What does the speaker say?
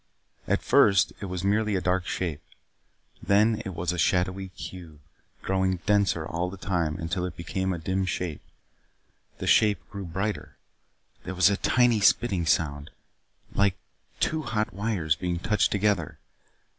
At first it was merely a dark square. Then it was a shadowy cube, growing denser all the time until it became a dim shape. The shape grew brighter. There was a tiny spitting sound, like two hot wires being touched together.